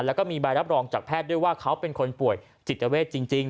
แล้วก็มีใบรับรองจากแพทย์ด้วยว่าเขาเป็นคนป่วยจิตเวทจริง